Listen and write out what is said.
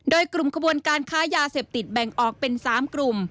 โดยกลุ่มขบวนการค้ายาเสพติดแบ่งออกเป็น๓กลุ่ม